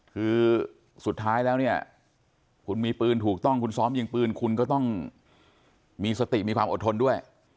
คือสุดท้ายแล้วเนี่ยคุณมีปืนถูกต้องคุณซ้อมยิงปืนคุณก็ต้องมีสติมีความอดทนด้วย